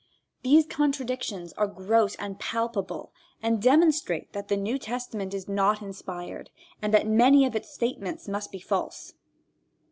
These contradictions are gross and palpable and demonstrate that the New Testament is not inspired, and that many of its statements must be false.